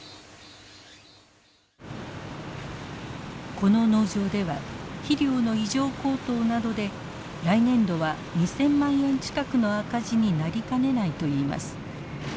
この農場では肥料の異常高騰などで来年度は２，０００万円近くの赤字になりかねないといいます。